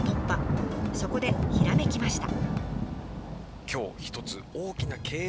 そこでひらめきました。